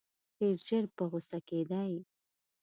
ډېر ژر په غوسه کېدی.